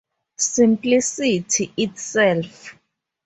Simplicity itself.